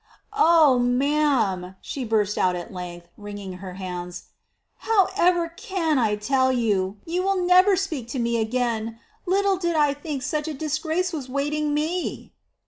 "Oh, ma'am!" she burst out at length, wringing her hands, "how ever can I tell you? You will never speak to me again. Little did I think such a disgrace was waiting me!"